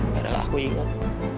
padahal aku ingat